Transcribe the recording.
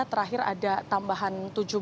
terakhir ada tambahan tujuh belas